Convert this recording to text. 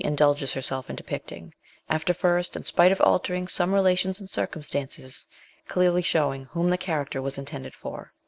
indulges herself in depicting, after first, in spite of altering some relations and circumstances, clearly showing whom the character was intended for.